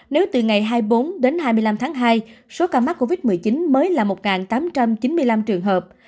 nếu từ ngày hai mươi bốn đến hai mươi năm tháng hai số ca mắc covid một mươi chín mới là một tám trăm chín mươi năm trường hợp